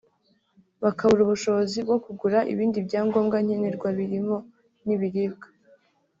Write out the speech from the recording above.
bakabura ubushobozi bwo kugura ibindi byangombwa nkenerwa birimo n’ibiribwa